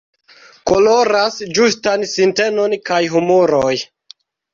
Koloras ĝustan sintenon kaj humoroj.